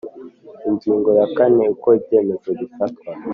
Ingingo ya kane Uko ibyemezo bifatwa